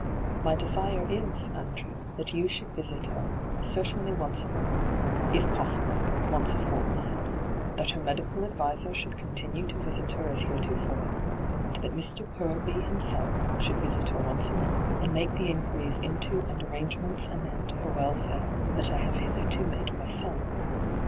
My desire is, Andrew, that you should visit her, certainly once a month — if possible, once a fortnight ; that her medical adviser should continue to visit her as heretofore ; and that Mr. Purlby himself should visit her once a month, and make the inquiries into and arrangements aneut her welfare that I have hyGoo>^lc ENTRAPPED 95 hitherto made myself.